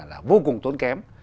là vô cùng tốn kém